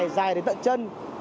dài đến tận chân